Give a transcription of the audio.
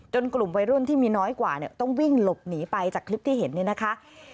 กลุ่มวัยรุ่นที่มีน้อยกว่าต้องวิ่งหลบหนีไปจากคลิปที่เห็นเนี่ยนะคะ